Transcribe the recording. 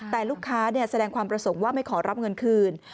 แต่ลูกค้าแสดงความประสงค์ว่าไม่ขอรับเงินคืน